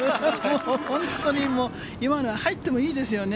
本当にもう、今のは入ってもいいですよね。